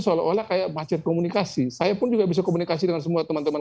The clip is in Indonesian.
seolah olah kayak macet komunikasi saya pun juga bisa komunikasi dengan semua teman teman